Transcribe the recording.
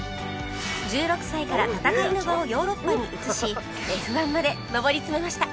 １６歳から戦いの場をヨーロッパに移し Ｆ１ まで上り詰めました